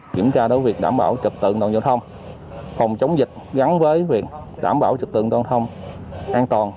kiểm tra đối với việc đảm bảo trực tự an toàn giao thông phòng chống dịch gắn với việc đảm bảo trực tự an toàn